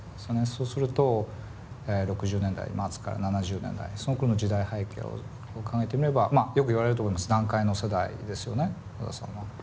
そうすると６０年代末から７０年代そのころの時代背景を考えてみればまあよく言われると思うんです団塊の世代ですよね小田さんは。